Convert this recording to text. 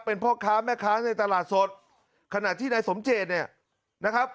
เป็นพ่อข้าวแม่ข้าวในตลาดสดขนาดที่ในสมเจศเนี่ยนะครับ